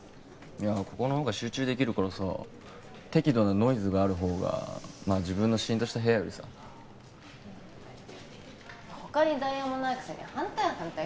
いやここのほうが集中できるからさ適度なノイズがあるほうがまあ自分のシーンとした部屋よりさ他に代案もないくせに反対反対